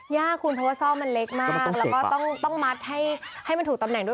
ยากคุณเพราะว่าซ่อมันเล็กมากแล้วก็ต้องมัดให้มันถูกตำแหน่งด้วย